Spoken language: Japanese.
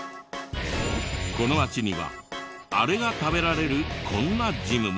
この街にはあれが食べられるこんなジムも。